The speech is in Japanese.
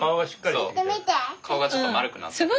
そう顔がちょっと丸くなってきた。